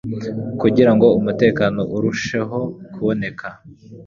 kugira ngo umutekano urusheho kuboneka.